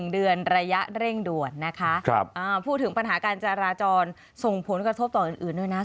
๑เดือนระยะเร่งด่วนนะคะพูดถึงปัญหาการจราจรส่งผลกระทบต่ออื่นด้วยนะ